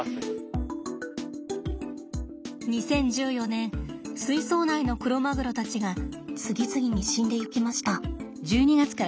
２０１４年水槽内のクロマグロたちが次々に死んでいきました。